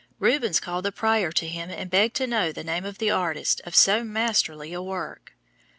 Rubens called the prior to him and begged to know the name of the artist of so masterly a work.